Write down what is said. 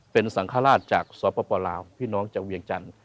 เป็นสังฆราชจากสปลาวพี่น้องจากเวียงจันทร์